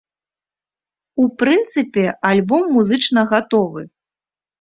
У прынцыпе альбом музычна гатовы.